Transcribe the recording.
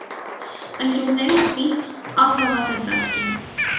Ընձյուղները խիտ աղվամազածածկ են։